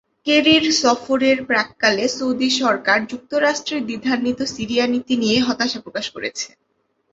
কেরির সফরের প্রাক্কালে সৌদি সরকার যুক্তরাষ্ট্রের দ্বিধান্বিত সিরিয়া-নীতি নিয়ে হতাশা প্রকাশ করেছে।